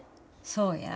そうや。